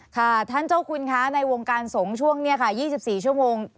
ท่านเจ้าคุณในวงการสงช่วง๒๔ชั่วโมง